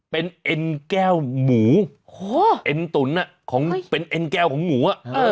เป็นเอ็นแก้วหมูเอ็นตุ๋นเป็นเอ็นแก้วของหมูอ่ะ